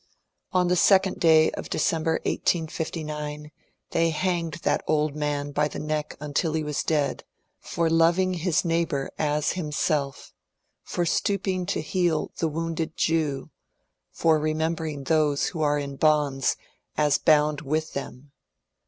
On the second day of December, 1859, they hanged t^t old man by the neck until he was dead, — for loving his neig&. A PRETTY MYTH 311 bour as himself, for stooping to heal the wounded Jew, for remembering those who are in bonds as bound with them.